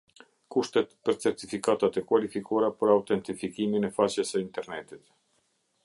Kushtet për certifikatat e kualifikuara për autentifikimin e faqes së internetit.